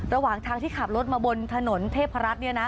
ระหว่างทางที่ขับรถมาบนถนนเทพรัฐเนี่ยนะ